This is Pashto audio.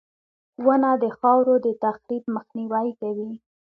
• ونه د خاورو د تخریب مخنیوی کوي.